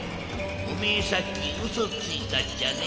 おめえさっきウソついたっちゃね？